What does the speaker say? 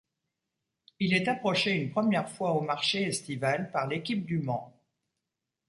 Il est approché une première fois au marché estival par l'équipe du Mans.